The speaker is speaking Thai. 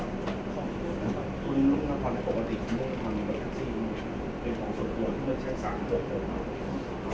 คุณนักฐานอุปกรณ์ปกติคุณต้องทำให้ใครทักซีรู้มั้ยครับเป็นของส่วนตัวที่มันใช้สามหกหกครับ